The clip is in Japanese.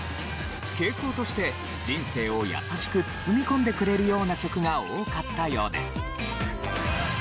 傾向として人生を優しく包み込んでくれるような曲が多かったようです。